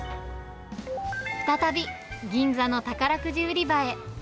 再び銀座の宝くじ売り場へ。